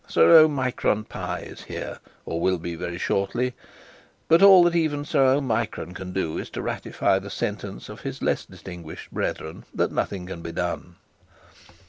Sir Omicron Pie is here, or will be very shortly; but all that even Sir Omicron can do, is to ratify the sentence of his less distinguished brethren that nothing can be done.